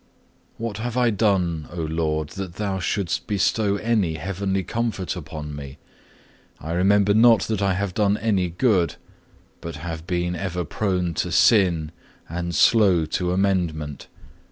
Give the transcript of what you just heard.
2. What have I done, O Lord, that Thou shouldst bestow any heavenly comfort upon me? I remember not that I have done any good, but have been ever prone to sin and slow to amendment.